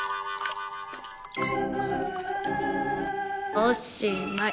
おしまい！